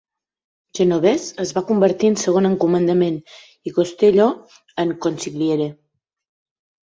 Genovese es va convertir en segon en comandament i Costello en "consigliere".